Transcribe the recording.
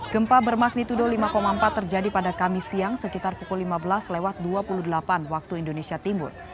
gempa bermagnitudo lima empat terjadi pada kamis siang sekitar pukul lima belas lewat dua puluh delapan waktu indonesia timur